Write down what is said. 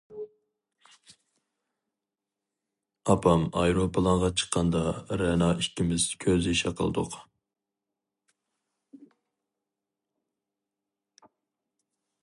ئاپام ئايروپىلانغا چىققاندا رەنا ئىككىمىز كۆز يېشى قىلدۇق.